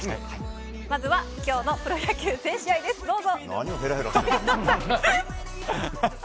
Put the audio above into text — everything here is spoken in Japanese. まずは、今日のプロ野球全試合どうぞ。